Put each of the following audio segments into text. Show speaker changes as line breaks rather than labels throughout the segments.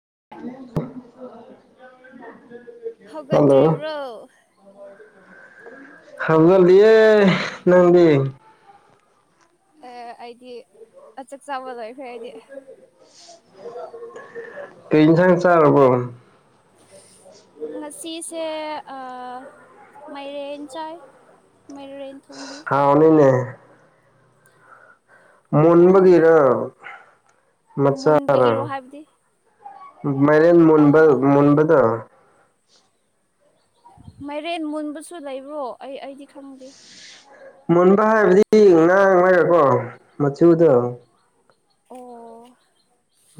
[unintelligible] hello
ꯍꯒꯇ꯭ꯔꯤꯕ꯭ꯔꯣ
ꯍꯪꯒꯜꯗꯌꯦ ꯅꯪꯕꯤ
ꯑꯦ ꯑꯩꯗꯤ ꯆꯥꯛ ꯆꯥꯕ ꯂꯣꯏꯈꯦ ꯑꯩꯗꯤ
ꯀꯩꯅꯅꯤ ꯁꯪ ꯆ ꯀꯣ
ꯉꯁꯤꯁꯦ ꯃꯔꯟ ꯆꯥꯏ ꯃꯔꯔꯟ ꯊꯣꯡꯕꯤ
ꯍꯥꯎꯅꯤꯅꯦ
ꯈꯪꯗꯦ
ꯃꯨꯟꯕꯒꯔ ꯃꯆꯥꯔ
ꯃꯨꯟꯕꯒꯤꯔꯣ ꯍꯥꯏꯕꯗꯤ
ꯃꯔꯦꯜ ꯃꯨꯟꯕ
ꯑꯥ
ꯃꯨꯟꯕꯗ
ꯃꯥꯏꯔꯦꯟ ꯃꯨꯟꯕꯁꯨ ꯂꯩꯕ꯭ꯔꯣ ꯑꯩ ꯑꯩꯗꯤ ꯈꯪꯗꯦ
ꯃꯨꯟꯕ ꯍꯥꯏꯕꯗꯤ ꯉꯥꯡꯉꯔꯀꯣ ꯃꯆꯨꯗꯣ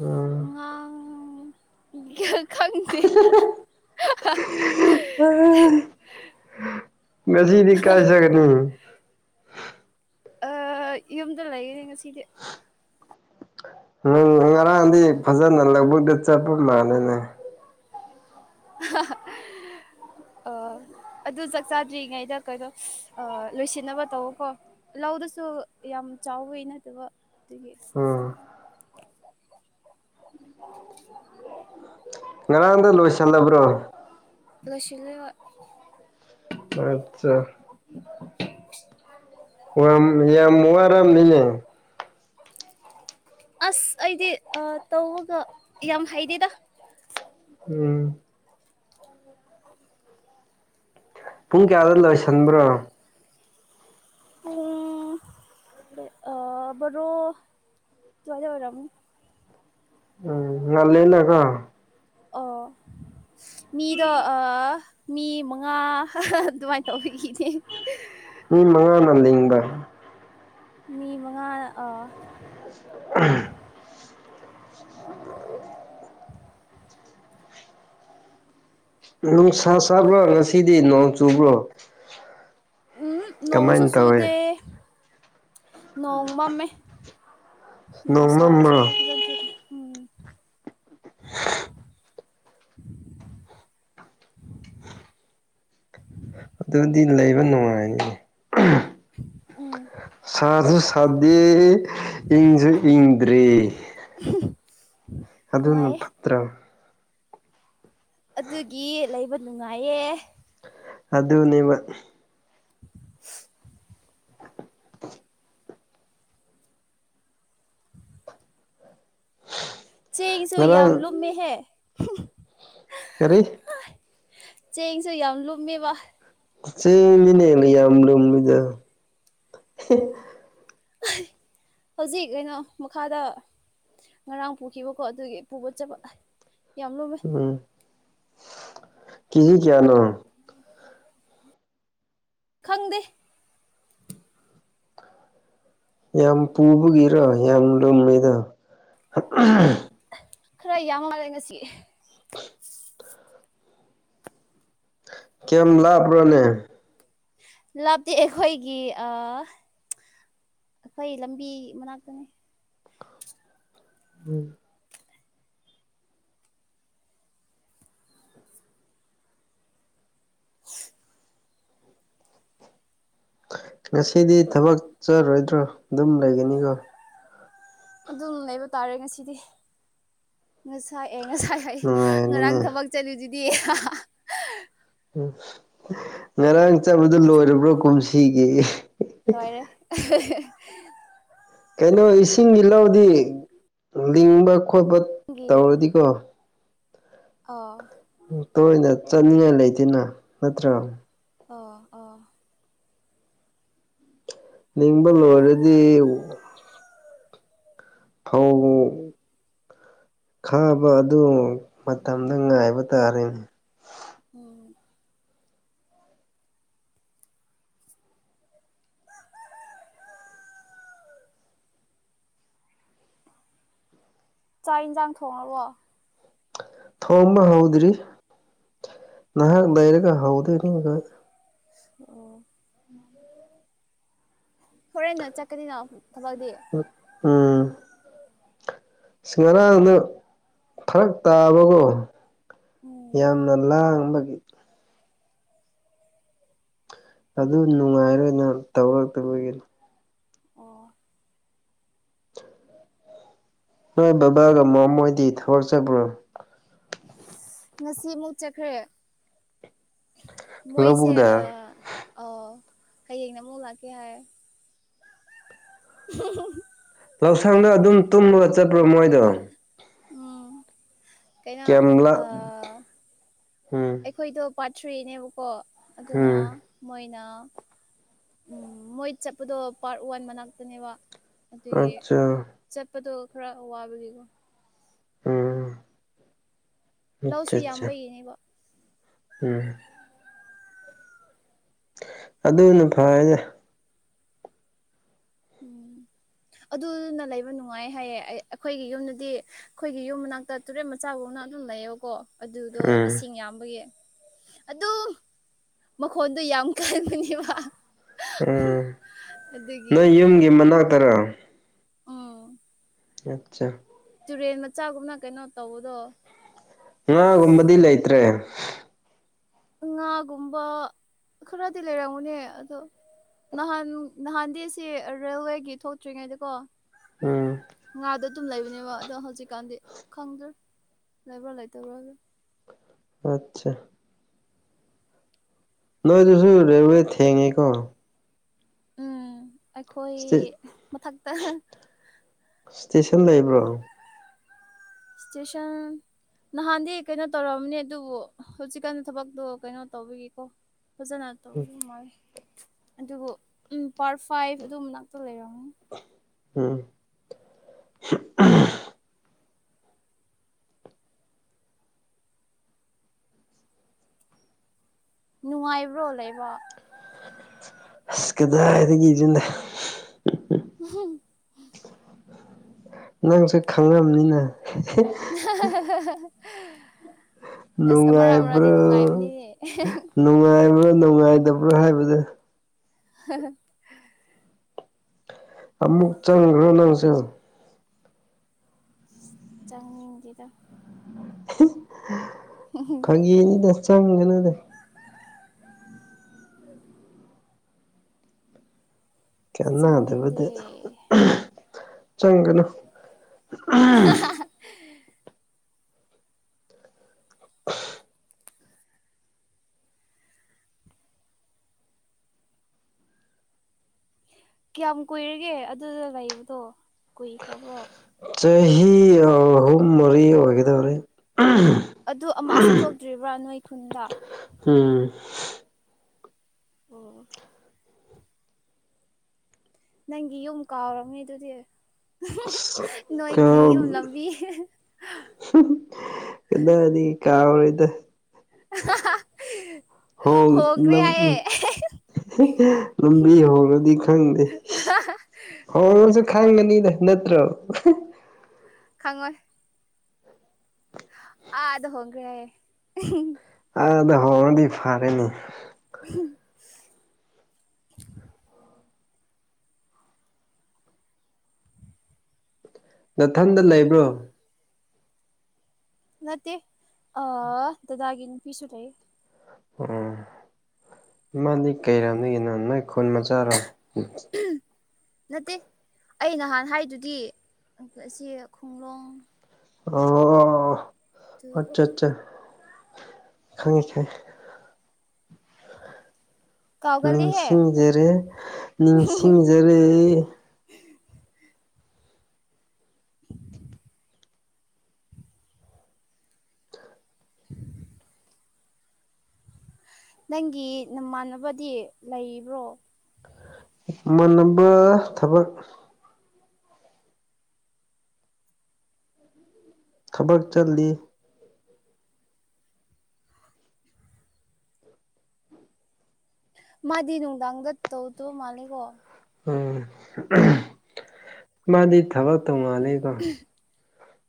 ꯎꯝ
ꯉ ꯈꯪꯁꯤ
ꯉꯁꯤꯗꯤ ꯀꯥꯏ ꯁꯅꯤ
ꯑ ꯌꯨꯝꯗ ꯂꯩꯔꯦ ꯉꯁꯤꯗꯤ
ꯎꯝ ꯉꯔꯥꯡꯗꯤ ꯐꯖꯅ ꯂꯧꯕꯨꯛꯇ ꯆꯠꯄ ꯃꯥꯜꯂꯦꯅꯦ
ꯑ
ꯎ
ꯑꯗꯨ ꯆꯥꯛ ꯆꯥꯗ꯭ꯔꯤꯉꯩꯗ ꯀꯩꯅꯣ ꯂꯣꯏꯁꯤꯟꯅꯕ ꯇꯧ ꯀꯣ ꯂꯧꯗꯁꯨ ꯌꯥꯝ ꯆꯥꯎꯋ ꯅ ꯑꯗꯨꯒ ꯗꯒꯤ
ꯎꯝ ꯉꯔꯥꯡꯗ ꯂꯣꯏꯁꯤꯜꯂꯕ꯭ꯔꯣ
ꯂ꯭ꯂꯁꯤꯂ
ꯑꯠꯆꯥ
[unintelligible]
ꯑꯣ ꯌꯥꯝ ꯃꯨꯕꯥꯔꯝꯅꯤꯅꯦ
ꯑꯁ ꯑꯩꯗꯤ ꯇꯧꯔꯒ ꯌꯥꯝ ꯍꯩꯗꯦꯗ
ꯎꯝ
[inaudible]
ꯄꯨꯡ ꯀꯌꯥ ꯑꯗꯨꯂꯁꯟꯕ꯭ꯔꯣ ꯍ
ꯔꯣ ꯇꯋꯥꯗ ꯑꯣꯏꯔ
ꯎꯝ ꯅꯜꯅꯀꯥ
ꯑꯣ ꯃꯤꯗꯣ ꯃꯤ ꯃꯉꯥ ꯑꯗꯨꯃꯥꯏꯅ ꯇꯧꯕꯤꯈꯤꯅꯦ
ꯃꯤ ꯃꯉꯥꯅ ꯂꯤꯡꯕ
ꯃꯤ ꯃꯉꯥ
[unintelligible] ꯅꯨꯡꯁꯥ ꯁꯥꯕ꯭ꯔꯣ ꯉꯁꯤꯗꯤ ꯅꯣꯡ ꯆꯨꯕ꯭ꯔꯣ
ꯎꯝ ꯅꯣꯡꯣꯡꯁꯨ
ꯀꯃꯥꯏꯅ
ꯁꯨꯗꯦ
ꯇꯧꯋꯦ
ꯅꯣꯡꯣꯡ ꯃꯥ ꯃ ꯎ
ꯅꯣꯡꯃꯝꯕ꯭ꯔꯣ
ꯁꯥꯁꯨꯕ ꯆꯗꯦ ꯎꯝ [unintelligible]
ꯑꯗꯨꯗꯤ ꯂꯩꯕ ꯅꯨꯡꯉꯥꯏꯅꯤꯅꯤ
ꯎꯝ
ꯁꯥꯗꯨꯨ ꯁꯥꯗꯦ ꯏꯟꯁꯨ ꯏꯟꯗ꯭ꯔꯔꯤ ꯑꯗꯨꯅ
ꯅꯨꯡꯉꯥꯏꯌꯦ
ꯐꯠꯇ꯭ꯔ
ꯑꯗꯨꯒꯤ ꯂꯩꯕ ꯅꯨꯡꯉꯥꯏꯌꯦ
ꯑꯗꯨꯅꯦꯕ
[unintelligible] ꯆꯦꯡꯁꯨ ꯌꯥꯝ ꯌꯥꯝ
ꯉꯔꯥꯡ
ꯂꯨꯝꯃꯦ ꯍꯥꯏꯦ
ꯀꯔꯤ
ꯆꯦꯡꯁꯨ ꯌꯥꯝ ꯂꯨꯝꯃꯦꯕ
ꯁꯤ ꯃꯤꯅꯦ ꯂꯩ ꯌꯥꯝꯗꯃꯤꯗ
ꯍꯧꯖꯤꯛ ꯀꯩꯅꯣ ꯃꯈꯥꯗ ꯉꯔꯥꯡ ꯄꯨꯈꯤꯕꯀꯣ ꯑꯗꯨꯒꯤ ꯄꯨꯕ ꯆꯠꯄ ꯌꯥꯝ ꯂꯨꯝꯃꯦ
ꯀꯁꯤ ꯀꯌꯥ ꯅ
ꯈꯪꯗꯦ
ꯌꯥꯝ ꯄꯨꯕꯒꯤꯔꯣ ꯌꯥꯝ ꯂꯨꯝꯃꯤꯗ
ꯈꯔ ꯌꯥꯝ ꯃꯥꯜꯂꯦ ꯉꯁꯤ
ꯀꯌꯥꯝ ꯂꯥꯛꯄꯔꯅꯦ
ꯂꯥꯞꯇꯤ ꯑꯩꯈꯣꯏꯒꯤ ꯑ ꯑꯩꯈꯣꯏ ꯂꯝꯕꯤ ꯃꯅꯥꯛꯇꯅꯤ
ꯎꯝ ꯉꯁꯤꯗꯤ ꯊꯕꯛ ꯆꯠꯔꯣꯏꯗ꯭ꯔꯣ ꯑꯗꯨꯝ ꯂꯩꯒꯅꯤꯀꯣ
ꯑꯗꯨꯝ ꯂꯩꯕ ꯇꯥꯔꯦ ꯉꯁꯤꯗꯤ ꯉꯁꯥꯏ ꯑꯦ ꯉꯁꯥꯏ ꯍꯥꯏ ꯉꯔꯥꯡ
ꯅꯨꯡꯉꯥꯏꯔꯦꯅꯦ
ꯊꯕꯛ ꯆꯠꯂꯨꯗꯨꯗꯤ
ꯉꯔꯥꯡ ꯆꯠꯕꯗ ꯂꯣꯏꯔꯕ꯭ꯔꯣ ꯀꯨꯝꯁꯤꯒꯤ
ꯂꯣꯏꯔꯦ
ꯀꯩꯅꯣ ꯏꯁꯤꯡꯒꯤ ꯏ ꯂꯧꯗꯤ ꯂꯤꯡꯕ ꯈꯣꯠꯄ ꯇꯧꯔꯗꯤꯀꯣ
ꯑ
ꯇꯣꯏꯅ ꯆꯠꯅꯤꯡꯉꯥꯏ ꯂꯩꯇꯅ ꯅꯠꯇ꯭ꯔꯒ
ꯑ ꯑꯣꯥ
ꯅꯤꯡꯕ ꯂ ꯑꯣꯏꯔꯗꯤ ꯊꯧ [unintelligible] ꯈꯥꯕ ꯑꯗꯨ ꯃꯇꯝꯗ ꯉꯥꯏꯕ ꯇꯥꯔꯦꯅꯦ
ꯎꯝ ꯆꯥꯛ ꯌꯦꯟꯁꯥꯡ ꯊꯣꯡꯉꯕꯣ
ꯊꯣꯝꯕ ꯍꯥꯎꯗ꯭ꯔꯤ ꯅꯍ ꯏꯔꯒ ꯍꯥꯎꯗ ꯏꯅꯤ
ꯑꯣ ꯍꯣꯔꯦꯟ ꯅ ꯆꯠꯀꯅꯤꯅ ꯊꯕꯛꯇꯗꯤ
ꯎꯝ ꯉꯔꯥꯡꯗꯨꯅ ꯐꯔꯛ ꯇꯥꯕꯀꯣ
ꯎꯝ
ꯌꯥꯝꯅ ꯂꯥꯡꯕꯒꯤ ꯑꯗꯨ ꯅꯨꯡꯉꯥꯏꯔꯣꯏꯅ ꯇꯧꯔꯛꯇꯕꯒꯤ
ꯑꯣ
ꯅꯣꯏ ꯕꯕꯥꯒ ꯃꯃꯣꯏꯗꯤ ꯊꯒꯛꯆꯕ꯭ꯔꯣ
ꯉꯁꯤꯃꯨꯛ ꯆꯠꯈ꯭ꯔꯦ ꯃꯣꯏꯁꯦ
ꯂꯧꯕꯨꯛꯗ
ꯍꯌꯦꯡꯅ ꯑꯃꯨꯛ ꯂꯥꯛꯀꯦ ꯍꯥꯏ [inaudible]
ꯂꯧꯎꯁꯪꯗ ꯑꯗꯨꯝ ꯇꯨꯝꯂꯒ ꯆꯠꯄ꯭ꯔꯣ ꯃꯣꯏꯗꯣ
ꯎꯝ ꯀꯩꯅꯣ
ꯀꯌꯥꯝ ꯂꯥꯞ ꯎꯝ
ꯑꯩꯈꯣꯏꯗꯣ ꯄꯥꯊ꯭ꯔꯤꯅꯦꯕꯀꯣ ꯑꯗꯨꯅ
ꯎꯝ
ꯃꯣꯏꯅ ꯎꯝ ꯃꯣꯏ ꯆꯠꯄꯗꯣ ꯄꯥꯔꯠ ꯋꯥꯟ ꯃꯅꯥꯛꯇꯅꯦꯕ ꯑꯗꯨꯒꯤ
ꯑꯠꯆꯥ
ꯆꯠꯄꯗꯣ ꯈꯔ ꯋꯥꯕꯒꯤꯀꯣ
ꯑꯝ
ꯂꯧꯁꯨ ꯌꯥꯝꯕꯅꯦꯕ
ꯎꯝ ꯑꯗꯨꯗꯅ ꯐꯥꯏꯗꯦ
ꯎꯝ ꯑꯗꯨꯅ ꯂꯩꯕ ꯅꯨꯡꯉꯥꯏ ꯍꯥꯏꯌꯦ ꯑꯩꯈꯣꯏꯒꯤ ꯌꯨꯝꯗꯗꯤ ꯑꯩꯈꯣꯏꯒꯤ ꯌꯨꯝ ꯃꯅꯥꯛꯇ ꯇꯨꯔꯦꯟ ꯃꯆꯥ ꯐꯧꯅ ꯑꯗꯨꯝ ꯂꯩꯌꯣꯀꯣ ꯑꯗꯨꯗꯣ
ꯎꯝ
ꯏꯁꯤꯡ ꯌꯥꯝꯕꯒꯤ ꯑꯗꯨ ꯃꯈꯣꯟꯗꯣ ꯌꯥꯝ ꯀꯟꯕꯅꯦꯕ
ꯎꯝ
ꯑꯗꯨꯒꯤ
ꯅꯣꯏ ꯌꯨꯝꯒꯤ ꯃꯅꯥꯛꯇꯔꯥ
ꯎꯝ
ꯑꯆꯥ
ꯇꯨꯔꯦꯟ ꯃꯆꯥꯒꯨꯝꯅ ꯀꯩꯅꯣ ꯇꯧꯕꯗꯣ
ꯉꯥꯒꯨꯝꯕꯗꯤ ꯂꯩꯇ꯭ꯔꯦ
ꯉꯥꯒꯨꯝꯕ ꯈꯔꯗꯤ ꯂꯩꯔꯝꯃꯨꯅꯦ ꯑꯗꯣ ꯅꯍꯥꯟ ꯅꯍꯥꯟꯗꯤꯁꯤ ꯔꯦꯜꯋꯦꯒꯤ ꯊꯣꯛꯇ꯭ꯔꯤꯉꯩꯗ ꯀꯣ
ꯎꯝ
ꯑꯗꯨꯝ ꯂꯩꯕꯅꯦꯕ ꯑꯗꯣ ꯍꯧꯖꯤꯛꯀꯥꯟꯗꯤ ꯈꯪꯗ꯭ꯔꯦ ꯂꯩꯕ꯭ꯔꯥ ꯂꯩꯇꯕ꯭ꯔꯥ ꯑꯗꯨ
ꯑꯆꯥ ꯅꯣꯏ ꯑꯗꯨꯁꯨ ꯔꯦꯜꯋꯦ ꯊꯦꯡꯉꯦ ꯀꯣ
ꯎꯝ ꯑꯩꯈꯣꯏ
ꯁ꯭ꯇꯦ
ꯃꯊꯛꯇ
ꯏꯁꯇꯦꯁꯟ ꯂꯩꯕ꯭ꯔꯣ
ꯏꯁꯇꯦꯁꯟ ꯅꯍꯥꯟꯗꯤ ꯀꯩꯅꯣ ꯇꯧꯔꯑꯝꯅꯦ ꯑꯗꯨꯕꯨ ꯍꯧꯖꯤꯛꯀꯥꯟ ꯊꯕꯛꯇꯣ ꯀꯩꯅꯣ ꯇꯧꯕꯤꯒꯀꯣ ꯐꯖꯅ ꯇꯧ ꯑꯗꯨꯝ ꯃꯥ ꯑꯗꯨꯕꯨ ꯄꯥꯔꯠ ꯐꯥꯏꯚ ꯑꯗꯨꯝꯕꯅꯥꯛꯇ ꯂꯩꯔꯝꯅꯤ
ꯎꯝ [unintelligible] [inaudible]
ꯅꯨꯡꯉꯥꯏꯕ꯭ꯔꯣ ꯂꯩꯕ
ꯑꯁ ꯀꯗꯥꯏꯗꯒꯤꯁꯤꯗ
ꯎꯝ
ꯅꯪꯁꯨꯦ ꯈꯪꯉꯕꯅꯤꯅ
[unintelligible] [inaudible] ꯑꯁ ꯑꯃꯔꯥ
ꯅꯨꯡꯉꯥꯏꯕ꯭ꯔꯣ
ꯑꯃꯔꯥꯗꯤ ꯅꯨꯡꯉꯥꯏꯕꯅꯤꯅꯦ
ꯅꯨꯡꯉꯥꯏꯕ꯭ꯔꯥ ꯅꯨꯡꯉꯥꯏꯗꯕ ꯭ꯔꯣꯏ ꯍꯥꯏꯕꯗ
[unintelligible] [inaudible]
ꯑꯃꯨꯛ ꯆꯪꯈ꯭ꯔꯣ ꯅꯪꯁꯦ
ꯆꯥꯡꯉ ꯂꯤꯗ
ꯐꯥꯒꯦꯅꯤꯗ ꯆꯪꯒꯅꯨꯗ ꯀꯅꯥ
ꯆꯪꯅꯤꯡꯗꯦ
ꯑꯗꯕꯗꯤ ꯆꯪꯒꯅꯣ ꯑꯥ [unintelligible] [inaudible]
ꯀꯌꯥꯝ ꯀꯨꯏꯔꯒꯦ ꯑꯗꯨꯗ ꯂꯩꯕꯗꯣ ꯀꯨꯏꯈ꯭ꯔꯕ꯭ꯔꯣ
ꯆꯍꯤ ꯑꯍꯨꯝ ꯃꯔꯤ ꯑꯣꯏꯒꯗꯧꯔꯦ
ꯑꯗꯨ ꯑꯃꯛꯁꯨ ꯊꯣꯛꯇ꯭ꯔꯤꯕ꯭ꯔꯥ ꯅꯣꯏ ꯈꯨꯟꯗ
ꯎꯝ
ꯑꯣ ꯅꯪꯒꯤ ꯌꯨꯝ ꯀꯥꯎꯔꯝꯃꯤ ꯑꯗꯨꯗꯤ
ꯀ
ꯅꯣꯏꯒꯤ ꯌꯨꯝ ꯂꯝꯕꯤ
[unintelligible] [inaudible] ꯀꯗꯥꯅꯤ ꯀꯥꯎꯔꯣꯏꯗ
[unintelligible] [inaudible]
ꯍ ꯎ
ꯍꯣꯡꯈ꯭ꯔꯦ ꯍꯥꯏꯌꯦ
[unintelligible] [inaudible] ꯂꯝꯨꯝꯕꯤ ꯍꯔꯗꯤ ꯈꯪꯗꯦ ꯍꯔꯁꯨ ꯈꯥꯡꯕꯅꯤꯗ ꯅꯠꯇ꯭ꯔꯣ
ꯈꯪꯉꯣꯏ ꯑ ꯑꯗꯨꯗ ꯍꯒ꯭ꯔꯦ
ꯑꯥꯗ ꯍꯣꯡꯉꯗꯤ ꯐꯔꯦꯅꯤ
ꯎ [unintelligible] [inaudible]
ꯃꯊꯟꯗ ꯂꯩꯕ꯭ꯔꯣ
ꯅꯠꯇꯦ ꯑꯗꯥꯒꯤꯅꯤ ꯄꯤꯤꯁ ꯂꯩ
ꯎ ꯏꯃꯅꯤ ꯀꯩꯔꯅꯤ ꯌꯦꯟꯅꯅ ꯈꯣꯟ ꯃꯆꯥꯥꯔꯣ
ꯅꯠꯇꯦ ꯑꯩ ꯅꯍꯥꯟ ꯍꯥꯏꯗꯨꯗꯤ ꯁꯤ ꯈꯨꯡꯡꯂꯣꯡ
ꯑ ꯑꯆꯥ ꯑꯠꯆꯥ ꯈꯪꯉꯦ ꯈ
ꯀꯥꯎꯒꯜꯂꯤꯍꯦ
ꯅꯤꯡꯁꯤꯡꯖꯔꯦ ꯅꯤꯡꯁꯤꯡꯖꯔꯦ
[unintelligible] [inaudible] ꯅꯪꯒꯤ ꯅꯃꯥꯟꯅꯕꯗꯤ ꯂꯩꯕ꯭ꯔꯣ
ꯏꯃꯥꯟꯅꯕ ꯊꯕꯛ ꯊꯕꯛ ꯆꯠꯂꯤ
ꯃꯥꯗꯤ ꯅꯨꯡꯗꯥꯡꯗ ꯇꯧꯗꯣ ꯃꯥꯜꯂꯦꯀꯣ
ꯎꯝ ꯃꯥꯗꯤ ꯊꯕꯛ ꯇꯣꯉꯥꯜꯂꯤꯀꯣ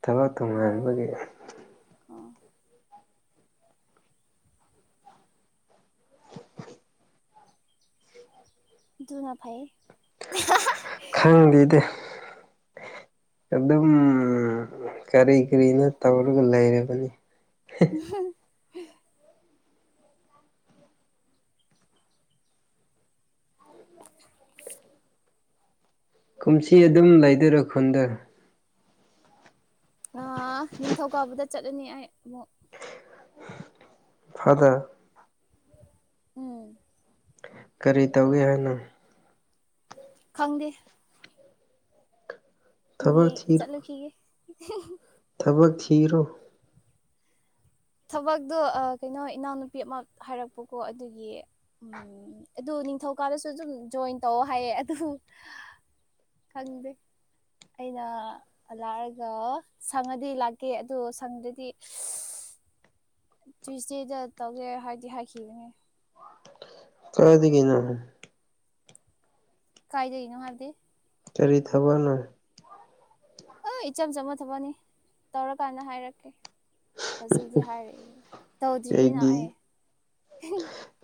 ꯊꯕꯛ
ꯑꯣ
ꯇꯣꯉꯥꯟꯕꯒꯤ
ꯑꯣ ꯨꯅ ꯐꯩ
ꯈꯪꯗꯗꯤ ꯑꯗꯨꯝ ꯀꯔꯤ ꯀꯔꯤꯅ ꯇꯧꯔꯒ ꯂꯩꯔꯕꯅꯤ
ꯎꯝ
ꯀꯨꯝꯁꯤ ꯑꯗꯨꯝ ꯂꯩꯗꯔ ꯈꯨꯟꯗꯔꯣ
ꯑꯥ ꯅꯤꯡꯊꯧꯀꯥꯕꯗ ꯆꯠꯂꯨꯅꯤ ꯑꯩ ꯑꯃꯨꯛ
ꯐꯥꯗ
ꯎꯝ
ꯀꯔꯤ ꯇꯧꯒꯦ ꯍꯥꯏꯅ
ꯈꯪꯗꯦ
ꯊꯕꯛ
ꯌꯦ
ꯊꯤꯔꯣ
ꯆꯠꯂꯨꯈꯤꯒ
ꯊꯕꯛ ꯈꯔꯣ
ꯊꯕꯛꯇꯣ ꯀꯩꯅꯣ ꯏꯅꯥꯎꯅꯨꯄꯤ ꯑꯃ ꯍꯥꯏꯔꯛꯄꯀꯣ ꯑꯗꯨꯒꯤ ꯎꯝ ꯑꯗꯨ ꯅꯤꯡꯊꯧꯀꯥꯗꯁꯨ ꯑꯗꯨꯝ ꯖꯣꯏꯟ ꯇꯧ ꯍꯥꯏꯌꯦ ꯑꯗꯨ ꯈꯪꯗꯦ ꯑꯩꯅ ꯂꯥꯛꯑꯒ ꯁꯪꯉꯗꯤ ꯂꯥꯛꯀꯦ ꯑꯗꯣ ꯁꯪꯗꯗꯤ ꯇ꯭ꯋꯁꯗꯦꯗ ꯇꯧꯒꯦ ꯍꯥꯏꯗꯤ ꯍꯥꯏꯈꯤꯕꯅꯦ
ꯀꯗꯒꯦꯅ
ꯀꯥꯏ ꯂꯩꯔꯤꯅꯣ ꯍꯥꯔꯗꯤ
ꯀꯔꯤ ꯊꯕꯅꯣ
ꯑ ꯏꯆꯝ ꯆꯝꯝꯕꯅ ꯊꯝꯃꯅꯤ ꯇꯧꯔꯀꯥꯟꯗ ꯍꯥꯏꯔꯛꯀꯦ ꯍꯧꯖꯤꯛꯀꯤ ꯍꯥꯏꯔꯛꯑꯦ ꯇꯧꯗ꯭ꯔꯤꯌꯦꯅ
ꯑꯩꯒꯤ
ꯑꯩ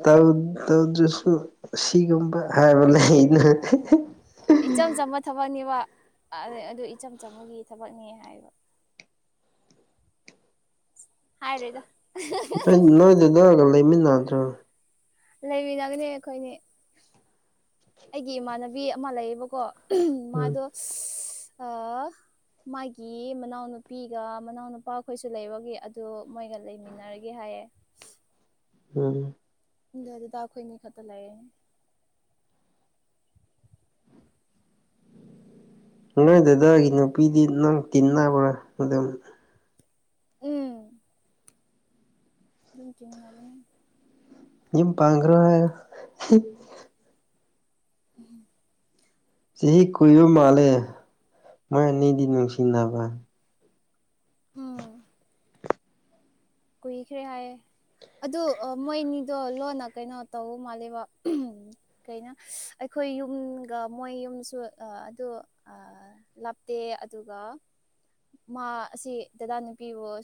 ꯇ ꯇꯧꯗꯁꯨ ꯁꯤꯒꯨꯝꯕ ꯍꯥꯏꯕ ꯂꯩ ꯑꯩꯅ
ꯏꯆꯝ ꯆꯝꯕ ꯊꯕꯛꯅꯦꯕ ꯑꯗꯨ ꯏꯆꯝ ꯆꯝꯕꯒꯤ ꯊꯕꯛꯅꯦ ꯍꯥꯏꯕ ꯍꯥꯏꯗ
ꯅꯣꯏ ꯅꯣꯏꯗꯗꯑꯒ ꯂꯩꯃꯤꯟꯅꯗ꯭ꯔꯣ
ꯂꯩꯃꯤꯟꯅꯒꯅꯦ ꯑꯩꯈꯣꯏꯅꯦ ꯑꯩꯒꯤ ꯏꯃꯥꯟꯅꯕꯤ ꯑꯃ ꯂꯩꯌꯦꯕꯀꯣ
ꯎꯝ
ꯃꯥꯗꯣ ꯃꯥꯒꯤ ꯃꯅꯥꯎꯅꯨꯄꯤꯒ ꯃꯅꯥꯎꯅꯨꯄꯥꯈꯣꯏꯁꯨ ꯂꯩꯕꯒꯤ ꯑꯗꯨꯗ ꯃꯣꯏꯒ ꯂꯩꯃꯤꯟꯅꯔꯒꯦ ꯍꯥꯏꯌꯦ
ꯎꯝ
ꯗ ꯑꯗꯨꯗꯥꯥꯎ ꯈ ꯃꯤ ꯈꯥ ꯇ ꯂꯩꯥꯏ
ꯅꯣꯏꯗꯨ ꯑꯩꯒꯤ ꯅꯨꯄꯤꯗꯤ ꯅꯪ ꯇꯤꯟꯅꯕ꯭ꯔꯥ ꯑꯗꯨꯝ
ꯎꯝ ꯑꯗꯨꯝ ꯀꯔꯤꯥꯕꯅꯦ
ꯌꯦ ꯄꯥꯡꯈ꯭ꯔꯣ ꯍꯥꯏ
ꯎꯝ
ꯆꯍꯤ ꯀꯨꯏꯕ ꯃꯥꯂꯦ ꯃꯥꯏ ꯑꯅꯤꯗꯤ ꯅꯨꯡꯁꯤꯅꯕ
ꯀꯣꯏꯈꯔꯦꯌꯦ ꯑꯗꯨ ꯃꯣꯏꯅꯤꯗꯣ ꯂꯣꯟꯅ ꯀꯩꯅꯣ ꯇꯧ ꯃꯥꯜꯜꯂꯤꯕ ꯀꯩꯅ ꯑꯩꯈꯣꯏ ꯑꯩꯈꯣꯏ ꯌꯨꯝꯒ ꯃꯣꯏ ꯌꯨꯝꯁꯨ ꯑꯗꯨ ꯂꯥꯞꯇꯦ ꯑꯗꯨꯒ ꯃꯥ ꯑꯁꯤ ꯗꯦꯗꯥ ꯅꯨꯄꯤꯕꯨ